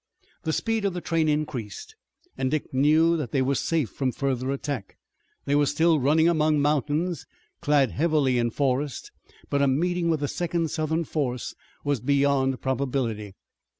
The speed of the train increased and Dick knew that they were safe from further attack. They were still running among mountains, clad heavily in forest, but a meeting with a second Southern force was beyond probability.